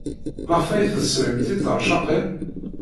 Maɣef ay tesrimt tiṭercaqin?